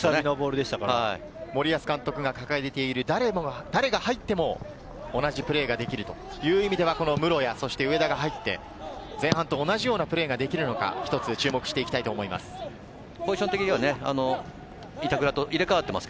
森保監督が掲げている誰が入っても同じプレーができるという意味では、室屋、植田が入って前半と同じようなプレーができるのか一つ注目していきたいと思います。